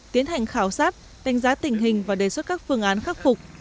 tiến hành khảo sát đánh giá tình hình và đề xuất các phương án khắc phục